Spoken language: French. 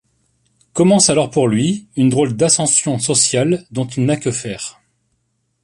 Commence alors pour lui une drôle d'ascension sociale dont il n'a que faire.